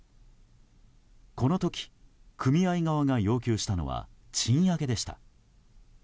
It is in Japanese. この時、組合側が要求したのは賃上げでした。